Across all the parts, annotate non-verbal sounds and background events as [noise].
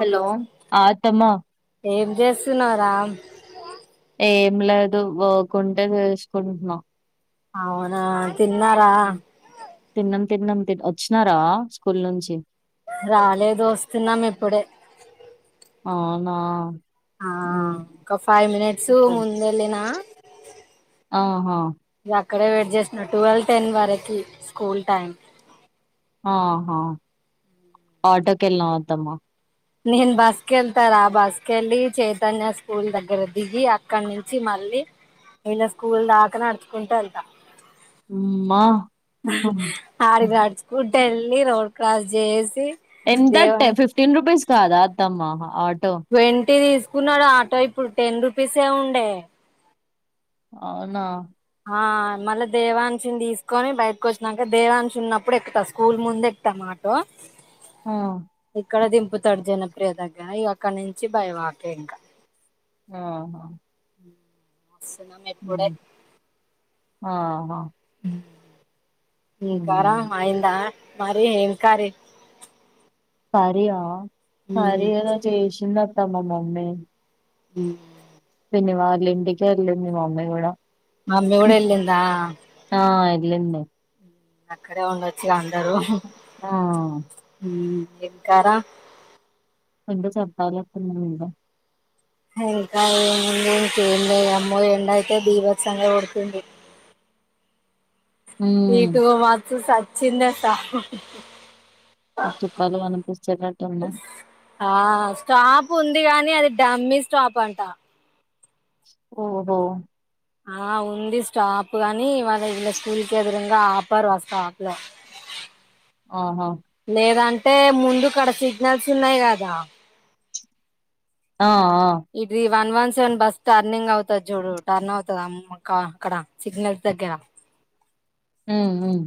Hello ఆ అత్తమ్మ ఏం చేస్తున్నారామ్ ఏం లేదు ఓకుంటే చేసుకుంటున్నాం అవునా తిన్నారా తిన్నం తిన్నం తిన్నాం వచ్చినారా స్కూల్ నుంచి రాలేదు ఒస్తున్నాం ఇప్పుడే నా ఆ ఒక ఫైవ్ మినిట్స్ ముందెళ్ళినా ఆహా అక్కడే వెయిట్ చేసిన టువల్ టెన్ వాళ్ళకి స్కూల్ టైం ఆహా ఆటోకి వెళ్ళ అత్తమ్మ నేను బస్కే వెళ్తారా బస్కే వెళ్ళి చైతన్య స్కూల్ దగ్గర దిగి అక్కడ నుంచి మళ్ళీ వీళ్ళ స్కూల్ దాకా నడుచుకుంటూ వెళ్తా ఉమ్మ్మా ఆడది ఆడ్చ కూ వెళ్ళి రోల్ కాల్ జేసి ఎంతంటే ఫిఫ్టీన్ రూపీస్ కాదా త్తమ్మా ఆ వెంటే దీస్ కున్నాడు ఆటో ఇప్పుడు టెన్ రూపీసే ఉండే అవునా ఆ మళ్ళ దేవాంశుని తీసుకొని బయటకు వచ్చినాక దేవాంశి ఉన్నప్పుడు ఎక్కుతాం స్కూల్ ముందు ఎక్కుతామాటో ఆ ఇక్కడ దింపుతాడు జనప్రియ దగ్గర ఇక అక్కడ నుంచి బై వాకే ఇంకా ఆ అవునా అ దర్శనం ఎప్పుడయి ఆహా [inaudible] ఇంకా రా ఉమ్. మైందా మరి ఏం కారే కరీ యా కరీ ఏదో జేష్ త్తమ మమ్మీ ఉం ఇని వాళ్ళ ఇంటికి వెళ్ళింది మమ్మీ కూడా మామ్మీ కూడా ఎళ్లిందా లీన్నే అక్కడే ఉండొచ్చు గా న్ దరు ఆ ఉం ఎక్కరా [unintelligible] ఎంకా ఏంద అమ్మో ఏండయితే బీభత్సంగ కొడుతుంది. ఉమ్ [unintelligible] చిన్నస్సా చుక్కాలు కనిపించేటట్టున్నాయి ఆ స్టాప్ ఉంది గానీ అది ఫ్యాంని స్టాప్ అంటా ఓహో ఆ ఉంది స్టాప్ గాని ఇవాళ విల్ల స్కూల్ కి ఎదురుంగా ఆపరు ఆ స్టాప్ లో ఆహా అంటే ముందు కడ సిగ్నల్స్ ఉన్నాయి కదా ఆ ఆ ఇది one one seven bus turning అవుతది చూడు టర్న్ అవుతది అమ్ అక్కడ సిగ్నల్స్ దగ్గర ఉం ఉం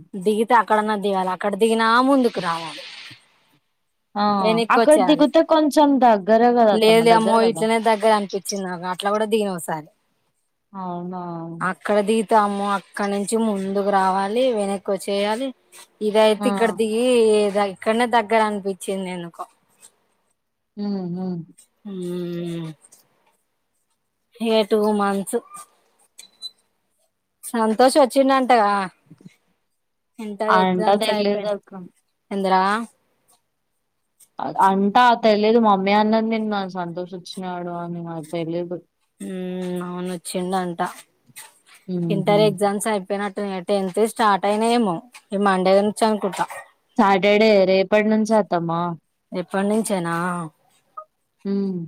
తే అక్కడన్నా దిగాలి అక్కడ దిగినా ముందుకు రావాలి ఆ అక్కడ వెనుక్కోచ్చేయాలె దిగుతే కొంచెం దగ్గరే కదా లేద్ అత్తమ్మ లే దగ్గర అమ్మో కదా ఇట్లనే దగ్గర అనిపించింది నాకు అట్లా కూడా దిగిన ఓ సారి అవునా తాము అక్కడ నుంచి ముందుకు రావాలి వెన ఎక్కువ చేయాలి ఇదయితే ఆ ఇక్కడదిిగి ఇక్కడనే దగ్గర అనిపించింది ఎందుకో హ్మ్ హు ఉం ఏ టూ మంత్స్ సంతోష్ వచ్చిండంటగా అంట తెలిదక్క ఏందిరా అంటా తెలిదు మమ్మీ అన్నది నిన్న సంతోషోచ్చినాడు అని నాకు తెలిదు హుమ్ అవును వచ్చిండంట ఉహు ఇంటర్ ఎగ్జామ్స్ అయిపోయినట్టు టెన్త్ స్టార్ట్ అయినాయేమో ఈ మండే నుంచి అనుకుంట సాటర్డే రేపటి నుంచి అత్తమ్మ రేపటి నుంచేనా హుమ్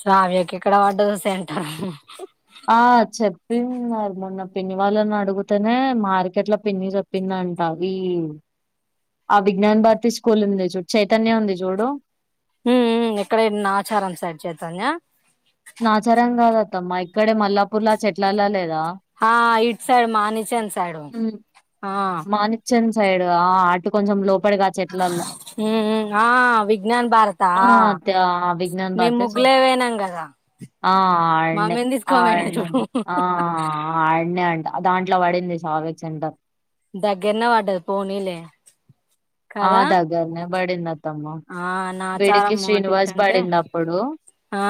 సావ్యకి ఎక్కడ పడ్డదో సెంటర్ ఆ! మొన్న పిన్ని వాళ్ళని అడుగితేనే మార్కెట్ లో పిన్ని చెప్పింద అంట ఈ ఆ విజ్ఞాన్ భారతి స్కూల్ ఉంది చూ చైతన్య ఉంది చూడు హుమ్ హుమ్ ఎక్కడ ఏంటి ఆచారం సైడ్ చేతన్యా ఆచారం కాద్ అత్తమ్మా ఇక్కడే మల్లాపూర్లా చెట్లలా లేదు హా ఇట్ సైడ్ మానిచెంచాడు మాని చెంచ్ సైడ్ ఆ ఆటు కొంచెం లో పడిగా చెట్లల్లో ఉమ్ ఆ విజ్ఞాన్ భారతా హా ద విజ్ఞాన్ మేము భారత సర్ ముగ్గులే పోయినాం కదా హా అడ్నే మమ్మీని తీసుకోపోయినా అడ్నే చూడు ఆ అడ్నే అంట దాం ఇట్లా పడింది సావేక్సెంటర్ దగ్గర్నే పడ్డది పోనీలే ఆ కదా దగ్గర్నే పడింది అత్తమ్మ ఆ వీడికి నాచారం అటు ఇటు శ్రీనివాస్ అంటే పడింది అప్పుడు ఆ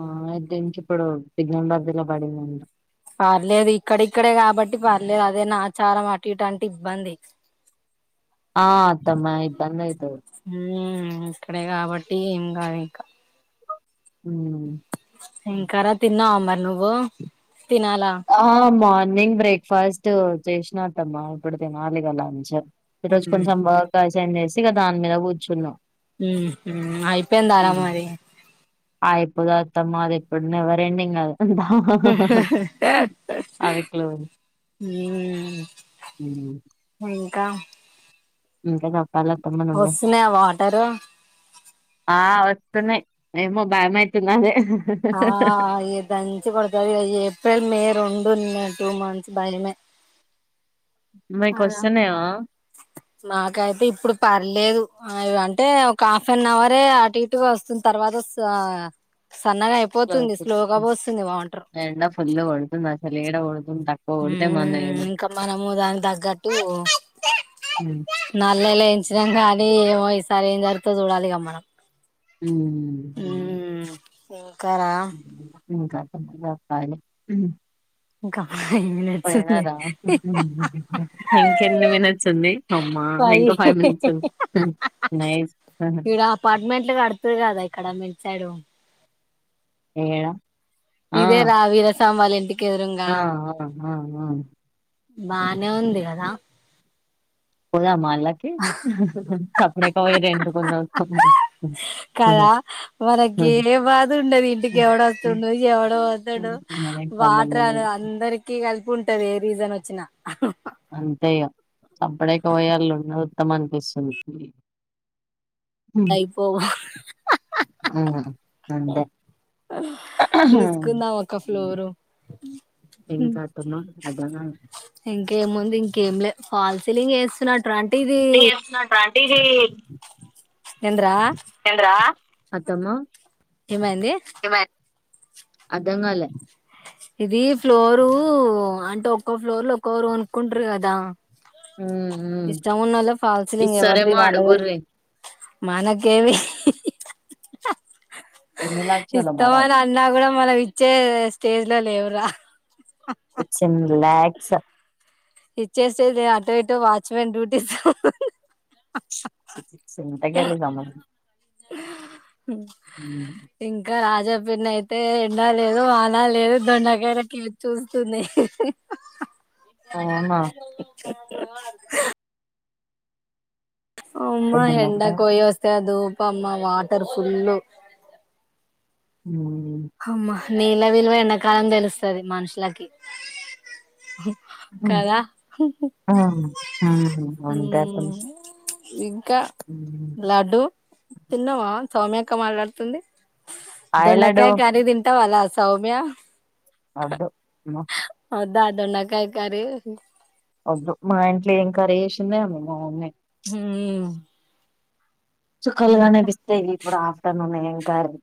ఆ అయితే ఇంకిప్పుడు విజ్ఞాన్ భారతిలో పడిందంటావ్ పర్లేదు ఇక్కడిక్కడే కాబట్టి పర్లేదు అదే నాచారం అటుఇటు ఇబ్బంది ఆ అత్తమ్మ ఇబ్బందిఅయితది ఉమ్ ఇక్కడే కాబట్టి ఏం కాదు ఇంకా ఉమ్ ఇంకా ర తిన్నావా మ నువ్వు తినాలా హ మార్ ర్నింగ్ బ్రేక్ఫాస్ట్ చేసిన అత్తమ్మ ఇప్పుడు తినాలిగా లంచ్ ఈరోజు ఉమ్ కొంచెం వర్క్ అసైన్ చేస్ గా దాని మీద కూర్చున్న హ్మ్ అయిపోయిందా రా మరి అయిపోదు అత్తమ్మా అది ఎప్పుడు నెవర్ఎండింగ్ కదా హా అవికిలో మ్మ్ కా హ్మ్ కాదా పాల తమ్మనే టరు ఆ వస్తున్నాయ్ ఏమోభయమైతుంది అదే ఆ దంచికొడతాదికా ఏప్రిల్ మే ర డు టూ మంత్స్ భయమే మీకు కదా వస్తున్నాయా మాకైతే ఇప్పుడు పర్లేదు అ అంటే ఒక హాఫ్అన్అవరే అటు ఇటుగా వస్తుంది తర్వాత సా స్లో చెప్ వాటర్ ఎండ ఫుల్ కొడుతుంది అసలు ఏడ కోడు హ్మ్ ఇంకా మనము దానితగ్గట్టు నాలు లే లెయించినం కానీ ఏమో ఈసారి ఏం జరుగుతో చూడాలిక మనం హ్మ్ గా కారా ఇంకా కాప్పతల కాయలే హు ఇంకా ఫైవ్ మినిట్స్ ఉంది పోయినారా ఇంకెన్ని మినిట్స్ ఉంది అమ్మా ఇంకో ఫైవ్ మినిట్స్ హు ఇంకా ఏం ఉహు ఈడ అపార్ట్మెంట్లు కడుతురు కదా ఇక్కడ మిడ్ సైడ్ ఇంకేం ఇదే రా విరస్ తమాల ఎంటి ఆ ఆ బానే ఉంది కాదా పోదామా ఆళ్ళకి సప్పుడేక పోయి రెంటుకుందాం కదా మనకి ఏ బాధ ఉండది ఇంటికి ఎవడు వస్తుడు ఎవడు పోతుండు మనకి వాటర్ సంబంధం అను లేదు అందరికి కలిపి ఉంటది ఏ రీజన్ వచ్చినా అహు అంతే ఇగా అప్పుడే ఇక పోయేవాళ్ళు ఉన్నారు తమన్ అనిపిస్తుంది అయిపోవు ఆ అంతే తీసుకుందాం ఒక ఫ్లోరు హు ఇంకా అత్తమ్మ అర్థంగా ఇంకేముంది ఇంకేం లే ఫాల్స్ తెలిస్తున్నాడ్ న చేస్తున్నాంటార అంటే ఇది ఏందర ఆ అత్తమ్మ ఏమైంది? అర్థం కాలే? ఇది ఫ్లోరు అంటే ఒక్కో ఫ్లోర్లో ఒక్కోరు కొనుక్కుంటరు కదా? ఉమ్ ఉమ్ ఇష్టం ఉన్నోళ్లు ఫాల్సిలింగ్ ఎవర్ది ఇస్తారేమో వాళ్ళదే. అడుగుర్రి మనకేవి ఎన్ని లక్షలో మరి ఇస్తవా అని అది అన్నా కూడా, మనం ఇచ్చే స్టేజ్ ఇంట్లో లేవురా. ఒచ్చిన్లు లాక్ స ఇచ్చేస్త తే, అటో ఇటో వాచ్మెన్ డ్యూటీ చి చి ఇంత గలీసా అమ్మ నువ్ పిన్నైతే ఎండా లేదు వానా లేదు, దొండ కాయల కెలి చూస్తుంది. అవునా [inaudible] అమ్మ, ఎన్ని ఎండకు ఉంటాయి? పోయోస్తే అదో కమ్మ వాటర్ ఫుళ్ళు. ఉమ్ హమ్మ నీళ్ల విలువ ఎండాకాలం తెలుస్తది మనుషులకి. హుమ్ కదా హా హా అంతే ఇన్ కా ఉమ్. లడ్డూ తిన్నావా? సౌమ్యక్క మాట్లాడుతుంది. హాయ్ లడ్డు. ఇవి తింటవార సౌమ్య? అద్దు అమ్మో ఒద్దా దొండకాయ కర్రి? ఒద్దు మా ఇంట్ల ఏం కరీ చేేసిందేమొ మా మమ్మీ. హుమ్ చుక్కలు కనిపిస్తయ్, ఇప్పుడు ఆఫ్టర్నూన్ నే కాడిది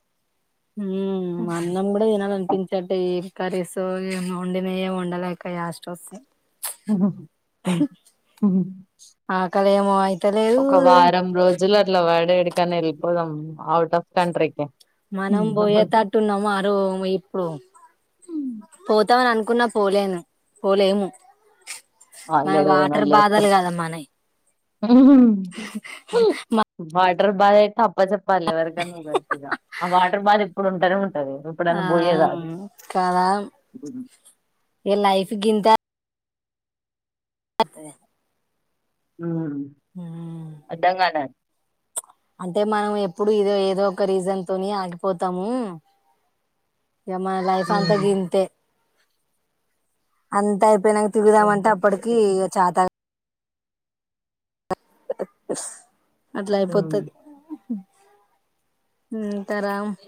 ఉమ్ అన్నం కూడ తినాలనిపించట్లే ఎద్ కర్రీసు ఏం వండినయే వండలేక యాస్టోస్తుంది. ఉమ్ ఉమ్ వాయ్ ఒక వారం రోజులు అట్ల వాడి ఎడికన్న ఏళ్ళిపోదాం ఔట్ ఆఫ్ కంట్రీకి మనం పోయేతట్టు ఉన్నామ ఆ రూమ్ ఇప్పుడు పోతం అని అను అనుకున్నా పోలేను పోలేము మన ఆల్రెడీ వాటర్ బాధలు గాదా మనయ్ హుమ్ వాడ్ ర్ బాదైత ఆప్ అప్ప జెప్పాలే ఎవరికన్న ఒకరికి ఇగ ఆ వాడ్ బాద ఎప్పుడు ఉంటానే ఉం ఆ కదా ఇగ లైఫ్ గింతే అదే ఉ అడ్డం గాన అంటే మనం ఎప్పుడు ఇదో ఏదో ఒక రీజన్ తోని ఆగిపోతాము. ఇగా మన లైఫ్ అంత ఉమ్ గింతే అంతా అయి పోయినంక తిరుగుదామ అంతే అంటే ఉంటది అప్పటికి ఏం చాతా గా ఆ అట్లా చేస్తాం అయిపోతది. ఇంకా రా